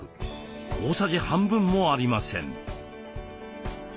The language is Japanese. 大さじ半分もありません。